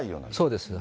そうです。